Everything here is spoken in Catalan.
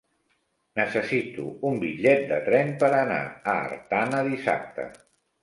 Necessito un bitllet de tren per anar a Artana dissabte.